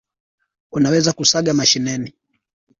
unaweza kuSaga mashineni